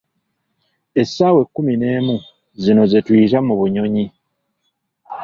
Essaawa ekkumi n'emu, zino zetuyita, "mu bunnyonnyi".